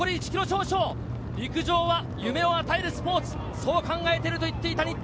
陸上は夢を与えるスポーツ、そう考えていると言っていた新田。